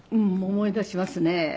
思い出しますね。